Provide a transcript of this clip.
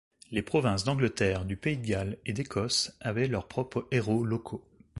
Les provinces d'Angleterre, du Pays de Galles et d'Écosse avaient leurs propres héros locaux.